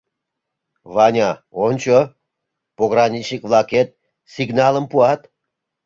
— Ваня, ончо, пограничник-влакет сигналым пуат.